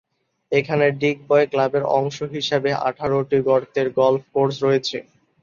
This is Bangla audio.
এখানে ডিগবয় ক্লাবের অংশ হিসাবে আঠারোটি গর্তের গল্ফ কোর্স রয়েছে।